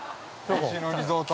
◆星野リゾート